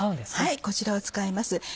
はいこちらを使います。